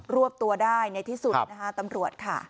รวบตัวได้ในที่สุดนะคะตำรวจค่ะ